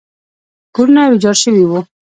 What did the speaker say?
کورونه ویجاړ شوي وو.